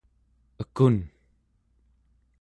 ekun